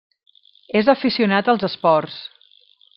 És aficionat als esports.